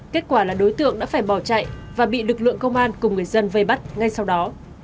kết quả là đối tượng đã phải bỏ chạy và bị lực lượng công an cùng người dân vây bắt ngay sau đó